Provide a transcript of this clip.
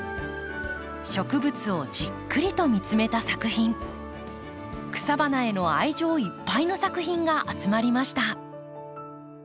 植物をじっくりと見つめた作品草花への愛情いっぱいの作品が集まりました。